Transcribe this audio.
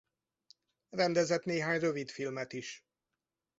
Rendezett néhány rövidfilmet is.